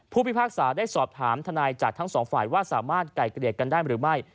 พิพากษาได้สอบถามทนายจากทั้งสองฝ่ายว่าสามารถไก่เกลียดกันได้หรือไม่